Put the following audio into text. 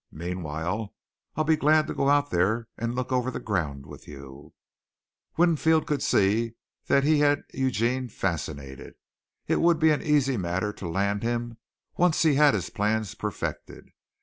Meanwhile, I'll be glad to go out there and look over the ground with you." Winfield could see that he had Eugene fascinated. It would be an easy matter to land him once he had his plans perfected.